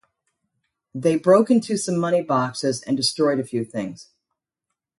They broke into some money boxes and destroyed a few things.